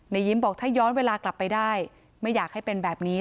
ยิ้มบอกถ้าย้อนเวลากลับไปได้ไม่อยากให้เป็นแบบนี้